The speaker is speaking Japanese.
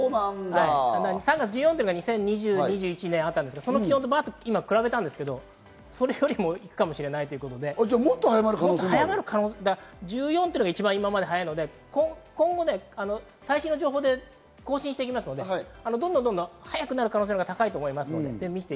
３月１４が２０２０・２１年にあったんですが、それと比べったんですが、それより行くかもしれないということで、もっと早まる、１４が今まで早いので、今後、最新情報で更新していきますので、どんどん早くなる可能性のほうが高いと思います。